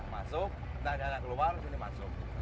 masuk entah ada yang keluar sini masuk